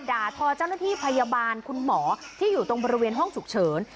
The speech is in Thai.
ด่าทอเจ้าหน้าที่พยาบาลคุณหมอที่อยู่ตรงบริเวณห้องฉุกเฉิน